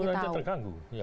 tetangganya pun saja terganggu